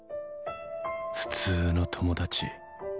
普通の友達